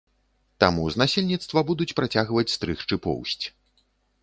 Таму з насельніцтва будуць працягваць стрыгчы поўсць.